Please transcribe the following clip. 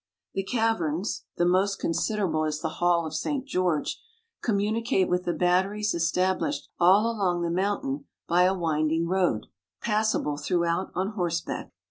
The caverns (the most considerable is the hall of St. George) communicate with the batteries established all along the mountain by a winding road, passable throughout on horseback.